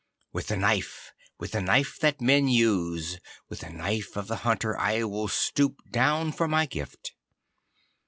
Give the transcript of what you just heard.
With the knife, with the knife that men use, with the knife of the hunter, I will stoop down for my gift.